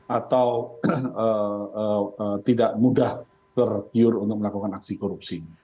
atau tidak mudah tergiur untuk melakukan aksi korupsi